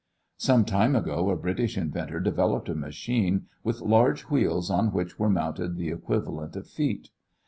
Some time ago a British inventor developed a machine with large wheels on which were mounted the equivalent of feet.